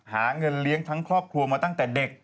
หาเงินเลี้ยงทั้งครอบครัวมาตั้งแต่เด็ก